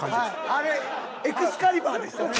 あれエクスカリバーでしたね。